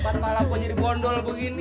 kenapa malah gue jadi gondol gue gini